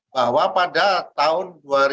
bahwa pada tahun dua ribu dua